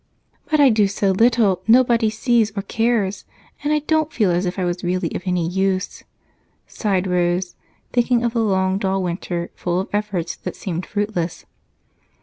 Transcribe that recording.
"But I do so little, nobody sees or cares, and I don't feel as if I was really of any use," sighed Rose, thinking of the long, dull winter, full of efforts that seemed fruitless.